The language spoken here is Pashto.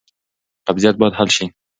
قبضیت باید حل شي.